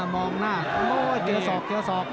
มองหน้าเจอสอบเจอสอบ